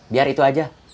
biar itu aja